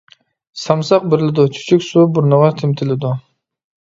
. سامساق بېرىلىدۇ، چۈچۈك سۇ بۇرنىغا تېمىتىلىدۇ.